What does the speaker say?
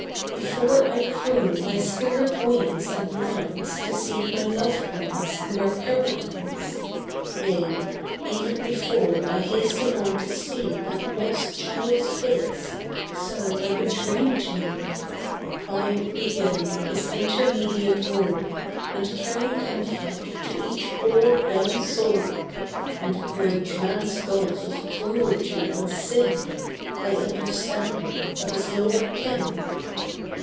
Before I prune my spirit wings and rise To seek my loved ones in their paradise, Yea! even before I hasten on to see That lost child's face, so like a dream to me, I would be given this intermediate role, And carry comfort to each poor, dumb soul: And bridge man's gulf of cruelty and sin By understanding of his lower kin.